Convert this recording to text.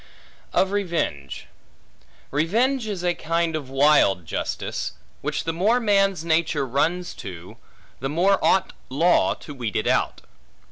Of Revenge REVENGE is a kind of wild justice; which the more man's nature runs to, the more ought law to weed it out.